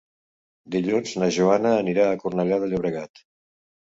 Dilluns na Joana anirà a Cornellà de Llobregat.